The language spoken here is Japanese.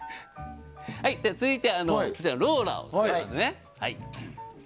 続いてはローラーを使います。